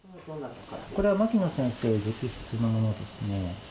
これは牧野先生直筆のものですね。